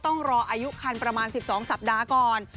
ต้องรออายุคันประมาณ๑๒สัปดาห์ก่อน